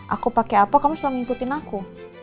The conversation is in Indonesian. aku pake apa kamu selalu ngikutin aku